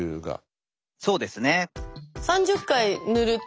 そうですね。